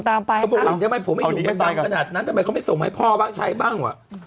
ทำไมเขาไม่ส่งให้พ่อบ้างชายบ้าง